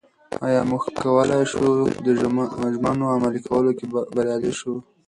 ایا موږ کولای شو د ژمنو عملي کولو کې بریالي شو؟